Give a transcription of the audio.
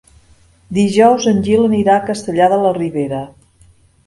Dijous en Gil anirà a Castellar de la Ribera.